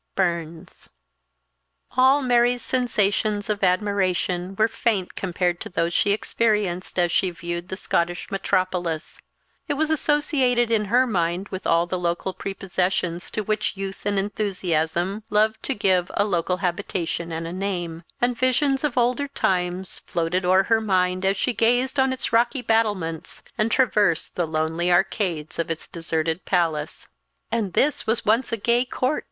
BURNS. ALL Mary's sensations of admiration were faint compared to those she experienced as she viewed the Scottish metropolis. It was associated in her mind with all the local prepossessions to which youth and enthusiasm love to give "a local habitation and a name;" and visions of older times floated o'er her mind as she gazed on its rocky battlements, and traversed the lonely arcades of its deserted palace. "And this was once a gay court!"